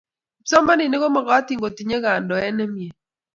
kipsomaninik komokotin kotinyei kandoet nemyee